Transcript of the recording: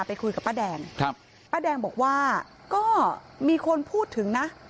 ไปคุยกับป้าแดงครับป้าแดงบอกว่าก็มีคนพูดถึงนะ